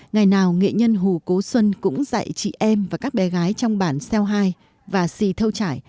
ngày nào nghệ nhân hù cố xuân cũng dạy chị em và các bé gái trong bản xeo hai và xì thâu trải